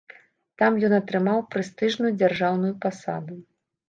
Там ён атрымаў прэстыжную дзяржаўную пасаду.